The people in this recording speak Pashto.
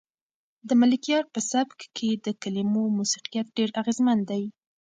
د ملکیار په سبک کې د کلمو موسیقیت ډېر اغېزمن دی.